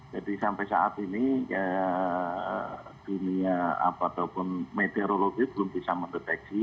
jadi sampai saat ini dunia meteorologi belum bisa mendeteksi